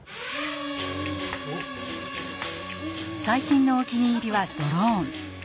最近のお気に入りはドローン。